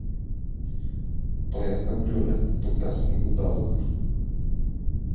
Тоя кабриолет тогаз ни го дадоха.